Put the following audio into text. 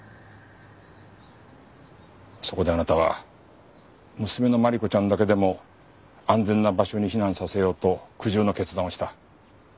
そこであなたは娘の真梨子ちゃんだけでも安全な場所に避難させようと苦渋の決断をした。